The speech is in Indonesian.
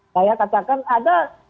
saya katakan ada